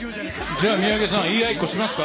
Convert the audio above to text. じゃあ、三宅さん、言い合いっこしますか。